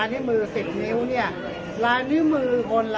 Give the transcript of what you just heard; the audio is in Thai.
อันนี้คือ๑จานที่คุณคุณค่อยอยู่ด้านข้างข้างนั้น